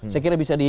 saya kira bisa di